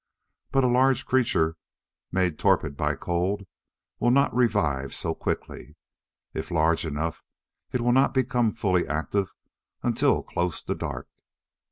But a large creature, made torpid by cold, will not revive so quickly. If large enough, it will not become fully active until close to dark.